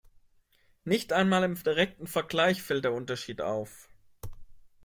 Nicht einmal im direkten Vergleich fällt der Unterschied auf.